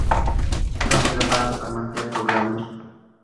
د دښتو لپاره دپرمختیا پروګرامونه شته.